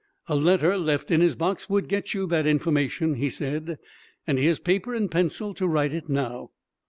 "A letter left in his box would get you that information," he said, "and here's paper and pencil to write it now."